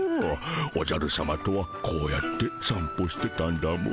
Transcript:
おじゃるさまとはこうやって散歩してたんだモ。